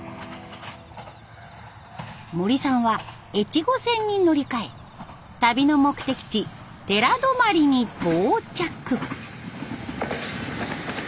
森さんは越後線に乗り換え旅の目的地寺泊に到着。